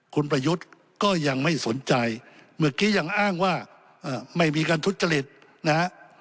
คุณประยุทธ์ก็ยังไม่สนใจเมื่อกี้ยังอ้างว่าไม่มีการทุจริตนะฮะ